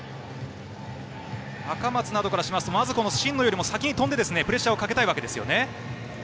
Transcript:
赤松などからしますと真野よりも先に跳んでプレッシャーをかけたいわけですよね。